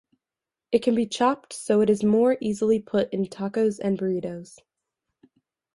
It can be chopped so it is more easily put into tacos and burritos.